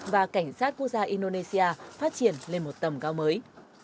và cảnh sát quốc gia indonesia phát triển lên một tầm cao mới